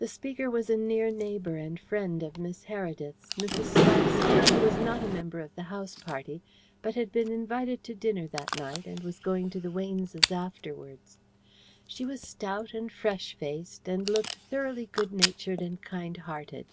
The speaker was a near neighbour and friend of Miss Heredith's, Mrs. Spicer, who was not a member of the house party, but had been invited to dinner that night and was going to the Weynes' afterwards. She was stout and fresh faced, and looked thoroughly good natured and kind hearted.